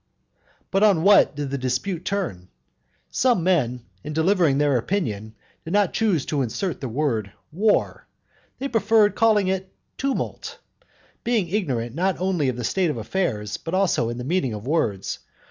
But on what did the dispute turn? Some men, in delivering their opinion, did not choose to insert the word "war". They preferred calling it "tumult," being ignorant not only of the state of affairs, but also of the meaning of words.